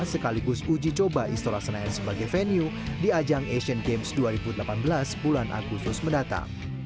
sekaligus uji coba istora senayan sebagai venue di ajang asian games dua ribu delapan belas bulan agustus mendatang